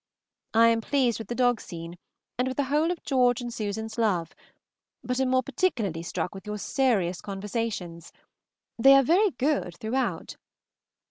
I am pleased with the dog scene and with the whole of George and Susan's love, but am more particularly struck with your serious conversations. They are very good throughout.